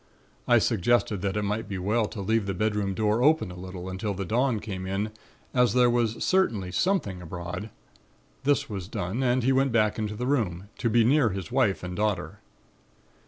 I suggested that it might be well to leave the bedroom door open a little until the dawn came in, as there was certainly something abroad. This was done and he went back into the room, to be near his wife and daughter.